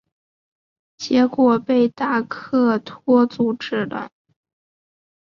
结果被达克托阻止了。